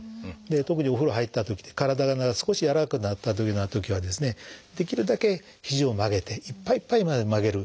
特にお風呂入ったときに体が少し柔らかくなったというようなときはできるだけひじを曲げていっぱいいっぱいまで曲げる。